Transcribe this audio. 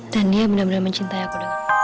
dan dia benar benar mencintai aku